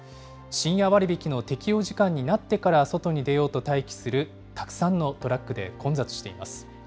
深夜割引の適用時間になってから外に出ようと待機するたくさんのトラックで混雑しています。